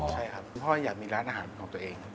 ใช่ครับคุณพ่ออยากมีร้านอาหารของตัวเอง